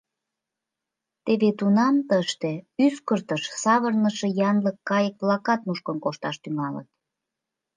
Теве тунам тыште ӱскыртыш савырныше янлык-кайык-влакат нушкын кошташ тӱҥалыт.